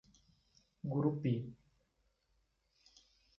Gurupi